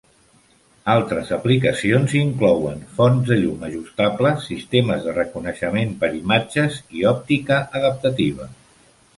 Altres aplicacions inclouen fonts de llum ajustables, sistemes de reconeixement per imatges, i òptica adaptativa.